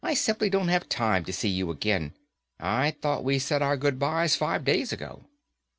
I simply don't have time to see you again. I thought we said our goodbyes five days ago."